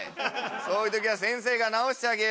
そういう時は先生が治してあげよう。